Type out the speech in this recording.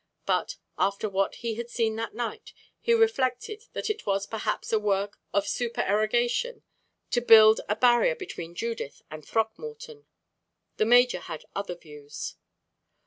But, after what he had seen that night, he reflected that it was perhaps a work of supererogation to build a barrier between Judith and Throckmorton. The major had other views.